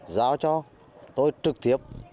giao cho tôi trực tiếp